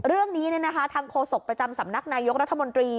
เรื่องนี้ทางโฆษกประจำสำนักนายกรัฐมนตรี